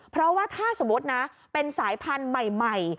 เพราะว่าถ้าสมมุตินะเป็นสายพันธุ์ใหม่